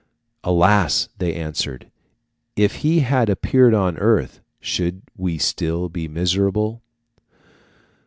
"Alas!" they answered, "if He had appeared on earth should we still be miserable?"